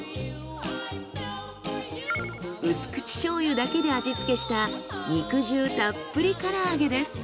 うすくち醤油だけで味付けした肉汁たっぷりから揚げです。